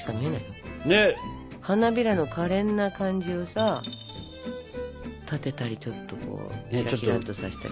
花びらのかれんな感じをさ立てたりちょっとひらっとさせたり。